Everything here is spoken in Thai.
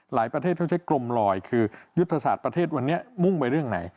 ประเทศต้องใช้กรมลอยคือยุทธศาสตร์ประเทศวันนี้มุ่งไปเรื่องไหน